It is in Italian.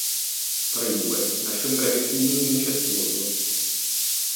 Tra i due nasce un breve "feeling" incestuoso.